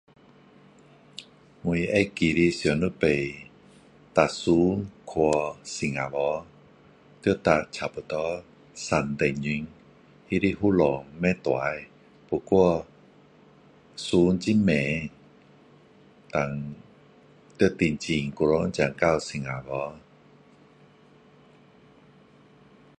我记得的上一次搭船去新加坡要搭差不多三小时它的风浪不大不过船很慢然后要等很久才到新加坡